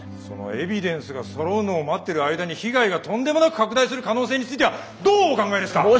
そのエビデンスがそろうのを待ってる間に被害がとんでもなく拡大する可能性についてはどうお考えですか？